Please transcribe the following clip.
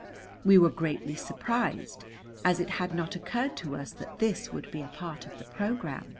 We were greatly surprised, as it had not occurred to us that this would be a part of the program.